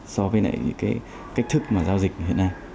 so với những cái cách thức mà giao dịch